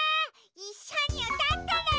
いっしょにうたってね！